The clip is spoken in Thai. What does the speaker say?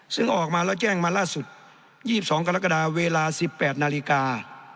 ซึ่งออกมาแล้วแจ้งมาล่าสุดยี่สิบสองกรกฎาเวลาสิบแปดนาฬิกา